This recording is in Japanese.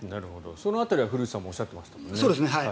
その辺りは古内さんもおっしゃってましたもんね。